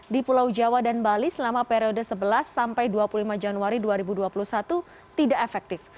di pulau jawa dan bali selama periode sebelas sampai dua puluh lima januari dua ribu dua puluh satu tidak efektif